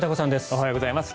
おはようございます。